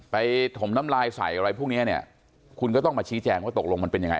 ถมน้ำลายใส่อะไรพวกเนี้ยคุณก็ต้องมาชี้แจงว่าตกลงมันเป็นยังไง